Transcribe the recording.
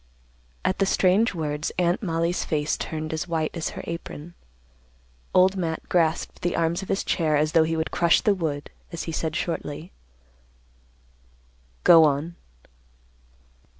At the strange words, Aunt Mollie's face turned as white as her apron. Old Matt grasped the arms of his chair, as though he would crush the wood, as he said shortly, "Go on."